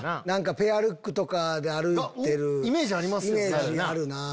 ペアルックとかで歩いてるイメージあるなぁ。